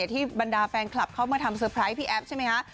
ที่บรรดาแฟนคลับเข้ามาทำเซอร์ไพรส์พี่แอฟใช่ไหมคะ